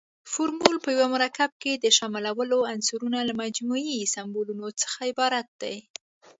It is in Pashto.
فورمول په یو مرکب کې د شاملو عنصرونو له مجموعي سمبولونو څخه عبارت دی.